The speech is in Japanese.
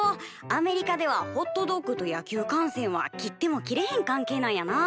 アメリカではホットドッグと野球観戦は切っても切れへん関係なんやな。